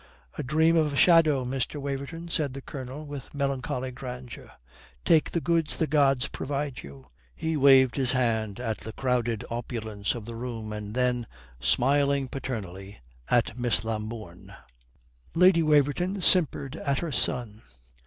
"A dream of a shadow, Mr. Waverton," said the Colonel, with melancholy grandeur. "'Take the goods the gods provide you,'" he waved his hand at the crowded opulence of the room and then, smiling paternally, at Miss Lambourne. Lady Waverton simpered at her son.